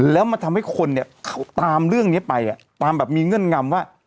แล้วมันทำให้คนเนี่ยเขาตามเรื่องนี้ไปตามแบบมีเงื่อนงำว่า